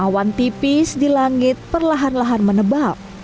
awan tipis di langit perlahan lahan menebal